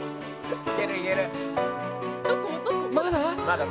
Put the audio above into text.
まだ？